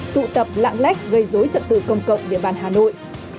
tụ tập lạng lách gây dối trận tử công cộng địa bàn hà nội